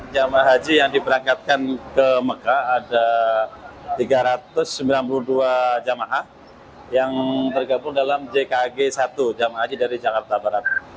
jemaah haji yang diberangkatkan ke mekah ada tiga ratus sembilan puluh dua jamaah yang tergabung dalam jkg satu jamaah haji dari jakarta barat